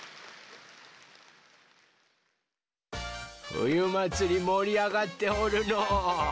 ふゆまつりもりあがっておるのう。